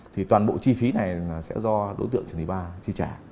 thì toàn bộ chi phí này sẽ do đối tượng trần thị ba chi trả